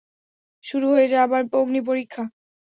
শুরু হয়ে যায় আবার অগ্নিপরীক্ষা।